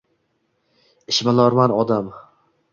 Ishbilarmon odam.